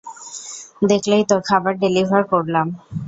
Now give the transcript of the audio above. দেখলেই তো, খাবার ডেলিভার করলাম।